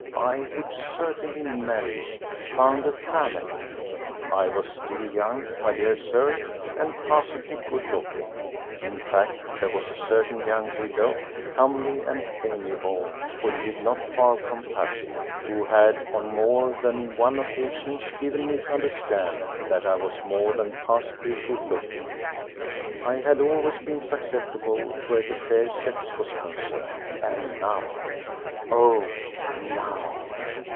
I would certainly marry—found a family. I was still young, my dear Sir, and passably good looking. In fact there was a certain young widow, comely and amiable, who lived not far from Passy, who had on more than one occasion given me to understand that I was more than passably good looking. I had always been susceptible where the fair sex was concerned, and now ... oh, now!